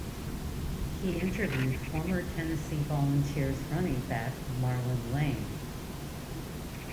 He interviewed former Tennessee Volunteers running back Marlin Lane.